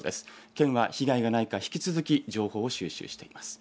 県は被害がないか引き続き情報を収集しています。